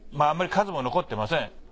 あまり数も残ってません。